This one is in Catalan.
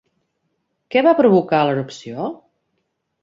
Què va provocar l'erupció?